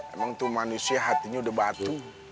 emang tuh manusia hatinya udah batu